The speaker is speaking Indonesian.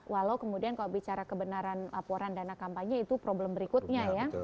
walau kemudian kalau bicara kebenaran laporan dana kampanye itu problem berikutnya ya